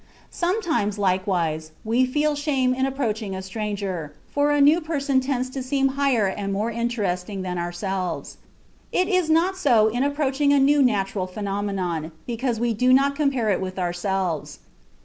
Sometimes, likewise, we feel shame in approaching a stranger, for a new person tends to seem higher and more interesting than ourselves. It is not so in approaching a new natural phenomenon, because we do not compare it with ourselves.